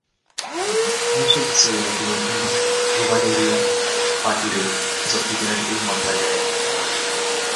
Most of the Soya grown in rivadavia partido is of the genetically modified variety.